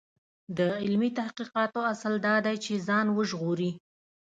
د علمي تحقیقاتو اصل دا دی چې ځان وژغوري.